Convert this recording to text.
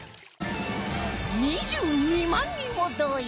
２２万人を動員！